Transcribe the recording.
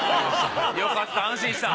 よかった安心した。